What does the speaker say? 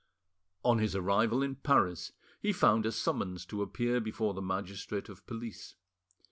On his arrival in Paris he found a summons to appear before the magistrate of police.